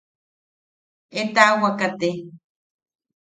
Etawaka te.